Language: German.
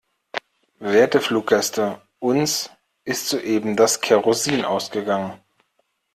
Werte Fluggäste, uns ist soeben das Kerosin ausgegangen.